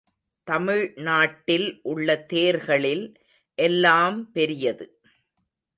தமிழ் நாட்டில் உள்ள தேர்களில் எல்லாம் பெரியது.